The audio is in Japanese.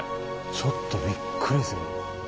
ちょっとびっくりする。